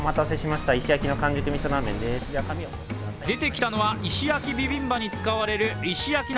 出てきたのは石焼きビビンバに使われる石焼鍋。